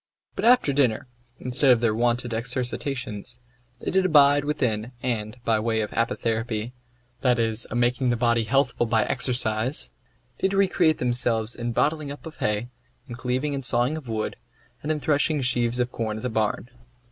But after dinner, instead of their wonted exercitations, they did abide within, and, by way of apotherapy (that is, a making the body healthful by exercise), did recreate themselves in bottling up of hay, in cleaving and sawing of wood, and in threshing sheaves of corn at the barn.